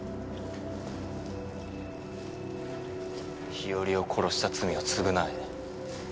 日和を殺した罪を償え。